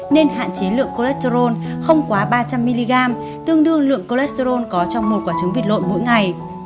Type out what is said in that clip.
nên hạn chế lượng cholesterol không quá ba trăm linh mg tương đương lượng cholesterol có trong một quả trứng vịt lộn mỗi ngày